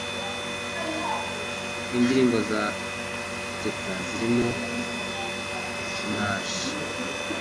Indirimbo za Teta zirimo ‘Ndaje’